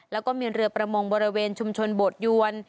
แล้วก็มีเรือประมงบริเวณชุมชนโบดยวน